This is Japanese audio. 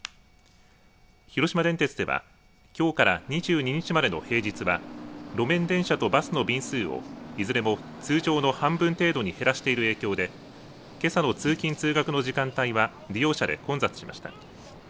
広島電鉄では、きょうから２２日までの平日は路面電車とバスの便数をいずれも通常の半分程度に減らしている影響でけさの通勤、通学の時間帯は利用者で混雑しました。